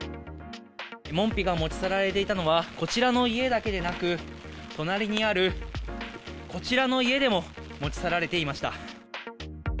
門扉が持ち去られていたのは、こちらの家だけでなく、隣にあるこちらの家でも持ち去られていました。